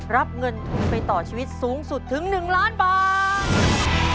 รับเงินทุนไปต่อชีวิตสูงสุดถึง๑ล้านบาท